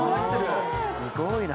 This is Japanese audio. すごいな。